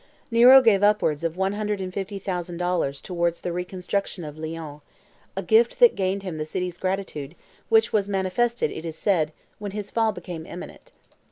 Nero gave upwards of one hundred and fifty thousand dollars towards the reconstruction of Lyons, a gift that gained him the city's gratitude, which was manifested, it is said, when his fall became imminent.